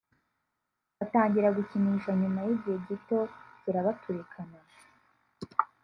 batangira kugikinisha nyuma y`igihe gito kirabaturikana